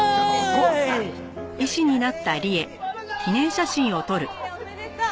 利恵おめでとう！